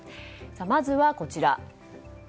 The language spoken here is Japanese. まずはこちら。